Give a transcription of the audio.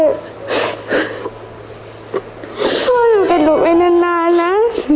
พ่ออยู่กับหนูไปนานนะ